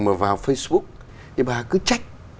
mà vào facebook thì bà cứ trách